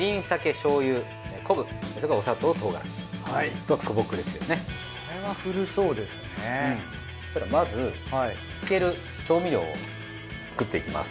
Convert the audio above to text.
そうしたらまず漬ける調味料を作っていきます。